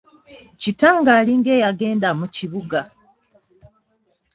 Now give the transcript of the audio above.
Kitange alinga eyagenda mu kibuga.